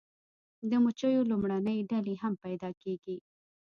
د مچیو لومړنۍ ډلې هم پیدا کیږي